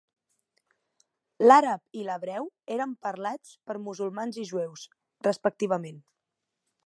L'àrab i l'hebreu eren parlats per musulmans i jueus, respectivament.